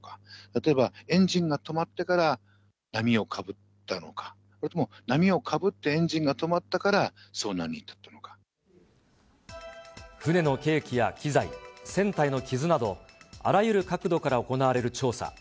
例えばエンジンが止まってから、波をかぶったのか、それとも波をかぶってエンジンが止まったから、船の計器や機材、船体の傷など、あらゆる角度から行われる調査。